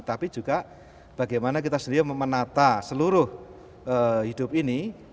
tapi juga bagaimana kita sendiri menata seluruh hidup ini